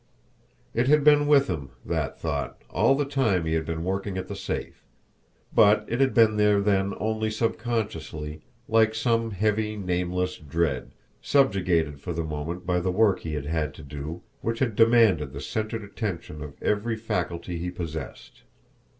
It had been with him, that thought, all the time he had been working at the safe; but it had been there then only subconsciously, like some heavy, nameless dread, subjugated for the moment by the work he had had to do which had demanded the centred attention of every faculty he possessed.